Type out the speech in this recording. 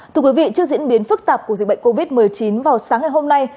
trước diễn biến phức tạp của dịch bệnh covid một mươi chín vào sáng ngày hôm nay